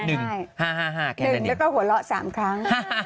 แล้วก็หัวเราะ๓ครั้ง